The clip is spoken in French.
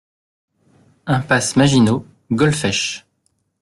Impasse Maginot, Golfech